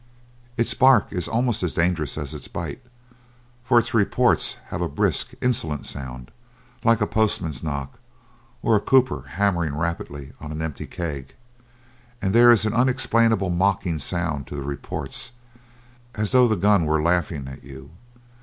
Its bark is almost as dangerous as its bite, for its reports have a brisk, insolent sound like a postman's knock, or a cooper hammering rapidly on an empty keg, and there is an unexplainable mocking sound to the reports, as though the gun were laughing at you.